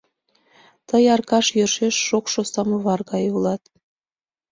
— Тый, Аркаш, йӧршеш шокшо самовар гае улат.